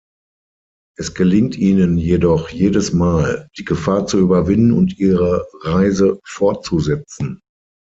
Es gelingt ihnen jedoch jedes Mal, die Gefahr zu überwinden und ihre Reise fortzusetzen.